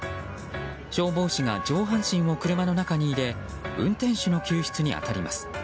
消防士が上半身を車の中に入れ運転手の救出に当たります。